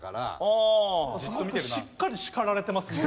しっかり叱られてますね今。